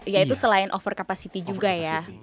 ya itu selain over capacity juga ya